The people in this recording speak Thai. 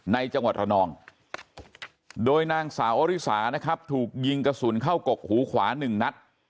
จังหวัดระนองโดยนางสาวอริสานะครับถูกยิงกระสุนเข้ากกหูขวาหนึ่งนัด